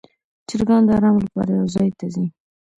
چرګان د آرام لپاره یو ځای ته ځي.